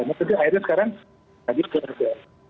akhirnya sekarang lagi berbeda